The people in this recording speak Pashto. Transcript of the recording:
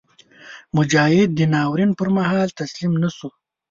مجاهد د ناورین پر مهال تسلیم نهشي.